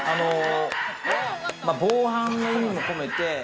防犯の意味も込めて。